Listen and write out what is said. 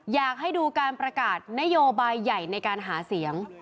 อยากให้ดูการประกาศนโยบายใหญ่ในการหาเสียง